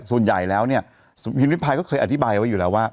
ส่วนใหญ่แล้วเนี่ยพิมริพายก็เคยอธิบายไว้อยู่แล้วว่า